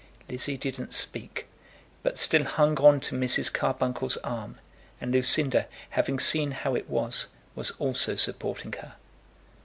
Lizzie didn't speak, but still hung on to Mrs. Carbuncle's arm, and Lucinda, having seen how it was, was also supporting her.